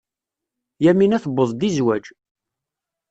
Yamina tuweḍ-d i zzwaj.